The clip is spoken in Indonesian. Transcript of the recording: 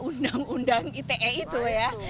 undang undang ite itu ya